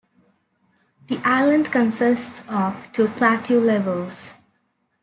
The island consists of two plateau levels.